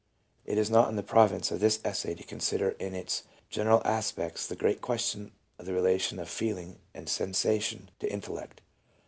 It is not in the province of this essay to consider in its gen eral aspects the great question of the relation of feeling and sensation to intellect.